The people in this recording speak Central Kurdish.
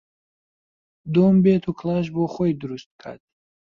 دۆم بێت و کڵاش بۆ خۆی دروست کات